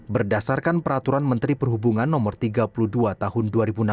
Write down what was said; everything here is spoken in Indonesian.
berdasarkan peraturan menteri perhubungan no tiga puluh dua tahun dua ribu enam belas